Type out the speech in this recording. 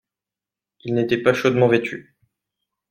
Il n’était pas chaudement vêtu.